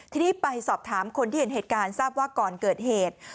ทีนี้ไปสอบถามคนที่เห็นเหตุการณ์ทราบว่าก่อนเกิดเหตุ